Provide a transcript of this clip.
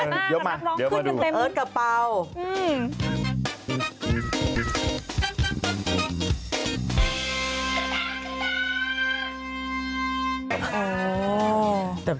เรียกมาเดี๋ยวมาดูเอิ๊ยดกับเปาหื้ม